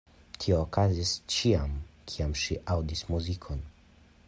Tio okazis ĉiam, kiam ŝi aŭdis muzikon.